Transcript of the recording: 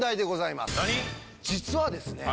実はですね